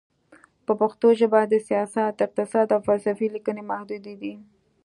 په پښتو ژبه د سیاست، اقتصاد، او فلسفې لیکنې محدودې دي.